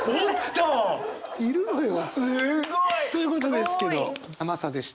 すごい！ということですけど「甘さ」でした。